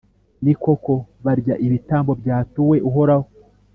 Ni koko, barya ibitambo byatuwe Uhoraho,